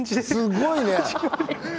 すごいね。